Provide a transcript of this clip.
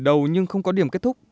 đầu nhưng không có điểm kết thúc